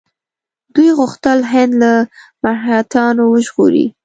دوی غوښتل هند له مرهټیانو وژغوري.